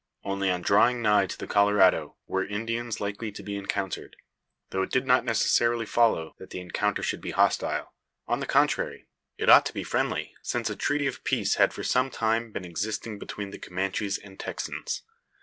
Only, on drawing nigh to the Colorado, were Indians likely to be encountered; though it did not necessarily follow that the encounter should be hostile. On the contrary, it ought to be friendly; since a treaty of peace had for some time been existing between the Comanches and Texans.